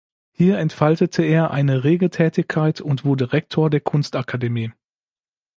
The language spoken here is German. Hier entfaltete er eine rege Tätigkeit und wurde Rektor der Kunstakademie.